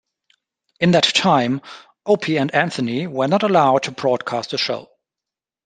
In that time Opie and Anthony were not allowed to broadcast a show.